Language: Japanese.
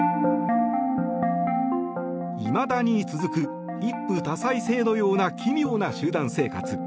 いまだに続く一夫多妻制のような奇妙な集団生活。